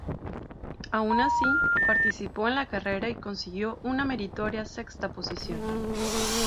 Aun así, participó en la carrera y consiguió una meritoria sexta posición.